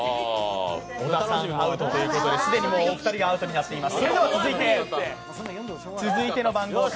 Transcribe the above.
小田さんがアウトということで、既にもうお二人がアウトになっています。